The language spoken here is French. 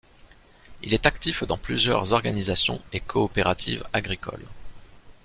Il est actif dans plusieurs organisations et coopératives agricoles.